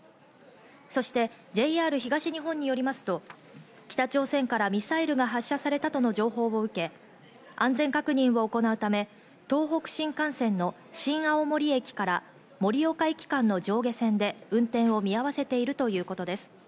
そしてＪＲ東日本によりますと、北朝鮮からミサイルが発射されたとの情報を受け、安全確認を行うため、東北新幹線の新青森駅から盛岡駅間の上下線で運転を見合わせているということです。